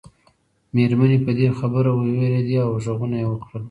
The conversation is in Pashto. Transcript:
مېرمنې په دې خبره ووېرېدې او غږونه یې وکړل.